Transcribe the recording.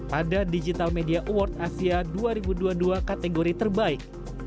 pada digital media award asia dua ribu dua puluh dua kategori terbaik